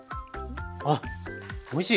あっおいしい！